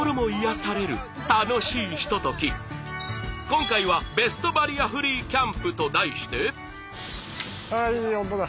今回は「ベストバリアフリーキャンプ」と題して。